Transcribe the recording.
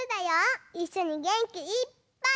いっしょにげんきいっぱい。